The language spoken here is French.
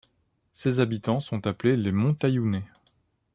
Ses habitants sont appelés les Montaillounais.